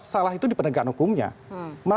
salah itu di penegak hukumnya